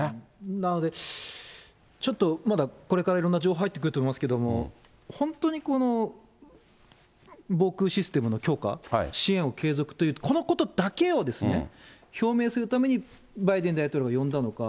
なのでちょっと、まだこれからいろんな情報入ってくると思いますけど、本当にこの防空システムの強化、支援を継続って、このことだけを表明するためにバイデン大統領、呼んだのか。